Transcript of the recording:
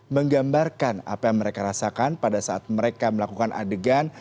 menggambarkan apa yang mereka rasakan pada saat mereka melakukan adegan